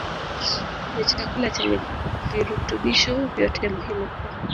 ni chakula chenye virutubisho vyote muhimu kwa